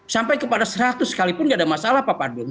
sampai kepada seratus sekalipun tidak ada masalah pak pandu